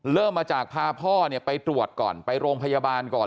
เริ่มมาจากพาพ่อเนี่ยไปตรวจก่อนไปโรงพยาบาลก่อน